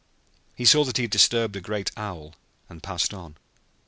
He saw that he had disturbed a great owl, and passed on.